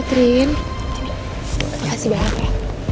catherine makasih banyak ya